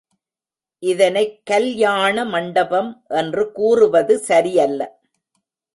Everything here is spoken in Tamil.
இதனைக்கல்யாண மண்டபம் என்று கூறுவது சரியல்ல.